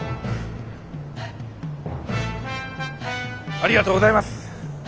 ありがとうございます！